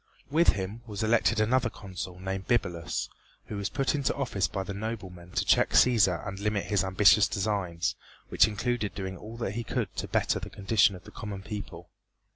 With him was elected another Consul named Bibulus, who was put into office by the noblemen to check Cæsar and limit his ambitious designs, which included doing all that he could to better the condition of the common people.